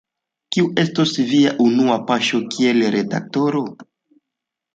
Kiuj estos viaj unuaj paŝoj kiel redaktoro?